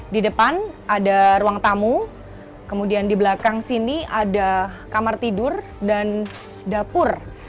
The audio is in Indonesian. di depan ada ruang tamu kemudian di belakang sini ada kamar tidur dan dapur